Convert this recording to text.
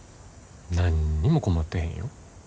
何にも困ってへんよ。